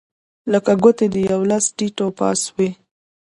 لکه ګوتې د یوه لاس ټیت و پاس وې.